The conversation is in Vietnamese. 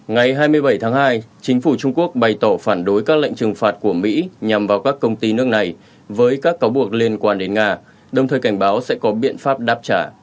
ngày hai mươi bảy tháng hai chính phủ trung quốc bày tỏ phản đối các lệnh trừng phạt của mỹ nhằm vào các công ty nước này với các cáo buộc liên quan đến nga đồng thời cảnh báo sẽ có biện pháp đáp trả